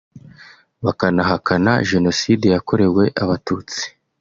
bakanahakana Jenoside yakorewe Abatutsi